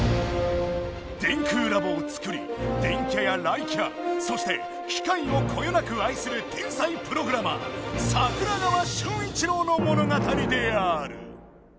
電空ラボをつくり電キャや雷キャそしてきかいをこよなくあいする天才プログラマー桜川春一郎の物語である！